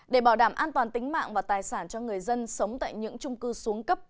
để bảo đảm an toàn tính mạng và tài sản cho người dân sống tại những trung cư xuống cấp